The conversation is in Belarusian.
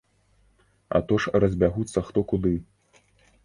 А то ж разбягуцца хто куды!